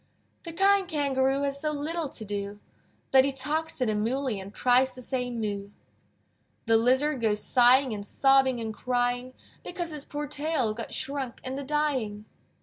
The kind Kangaroo Has so little to do, That he talks to the Moolly And tries to say "Moo!" The Lizard goes sighing, And sobbing and crying, Because his poor tail Got shrunk in the dyeing.